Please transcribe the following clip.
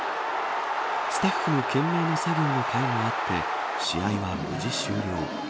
スタッフの懸命の作業のかいもあって試合が、無事終了。